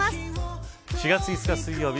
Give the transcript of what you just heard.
４月５日水曜日